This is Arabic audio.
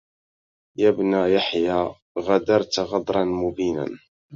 يا ابن يحيى غدرت غدرا مبينا